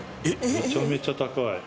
めちゃめちゃ高い。